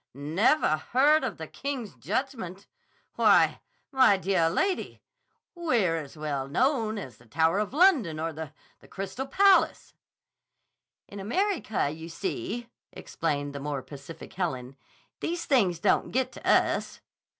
_ Nevah heard of the King's Judgment? Why, my deah lady, we're as well known as the Tower of London or the—the Crystal Palace." "In America, you see," explained the more pacific Helen, "these things don't get to us."